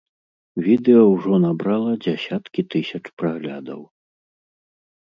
Відэа ўжо набрала дзясяткі тысяч праглядаў.